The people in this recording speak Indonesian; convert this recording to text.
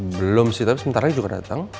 belum sih tapi sementara lagi dia dateng